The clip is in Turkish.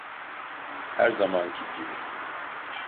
Her zamanki gibi.